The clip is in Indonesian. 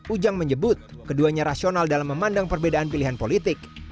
ujang menyebut keduanya rasional dalam memandang perbedaan pilihan politik